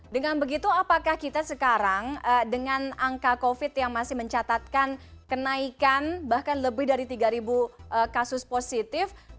dengan begitu apakah kita sekarang dengan angka covid yang masih mencatatkan kenaikan bahkan lebih dari tiga kasus positif